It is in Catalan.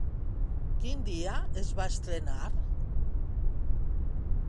Quin dia es va estrenar?